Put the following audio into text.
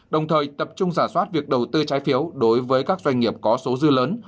đồng thời tập trung giả soát việc đầu tư trái phiếu đối với các doanh nghiệp có số dư lớn